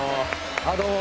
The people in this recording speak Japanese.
あっどうも。